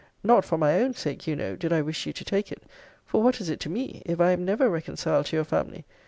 Not for my own sake, you know, did I wish you to take it; for what is it to me, if I am never reconciled to your family?